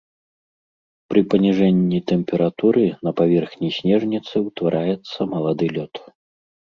Пры паніжэнні тэмпературы на паверхні снежніцы ўтвараецца малады лёд.